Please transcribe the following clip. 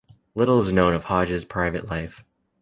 Little is known of Hodge's private life.